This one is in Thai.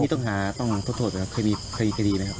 นี่ต้องหาต้องโทษนะครับเคยมีคดีคดีไหมครับ